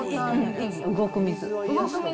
動く水。